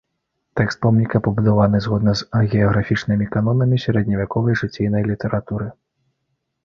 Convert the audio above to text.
Тэкст помніка пабудаваны згодна з агіяграфічнымі канонамі сярэдневяковай жыційнай літаратуры.